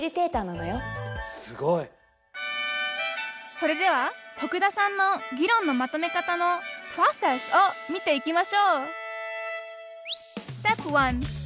それでは徳田さんの議論のまとめ方のプロセスを見ていきましょう